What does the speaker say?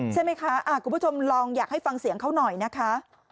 ใช่ไหมคะกลุ่มผู้ชมลองอยากให้ฟังเสียงเขาหน่อยนะคะ